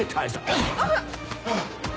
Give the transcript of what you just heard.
あっ！